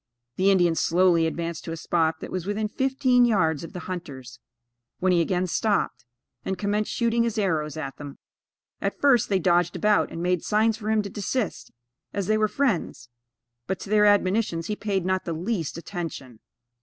The Indian slowly advanced to a spot that was within fifteen yards of the hunters, when he again stopped, and commenced shooting his arrows at them. At first they dodged about, and made signs for him to desist, as they were friends; but, to their admonitions he paid not the least attention.